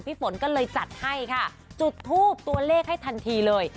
ฝนก็เลยจัดให้ค่ะจุดทูบตัวเลขให้ทันทีเลย